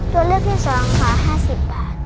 ตัวเลือกที่สองห้าสิบบาท